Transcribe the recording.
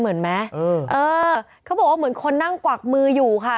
เขาบอกว่าเหมือนคนนั่งกวักมืออยู่ค่ะ